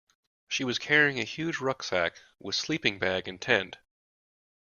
She was carrying a huge rucksack, with sleeping bag and tent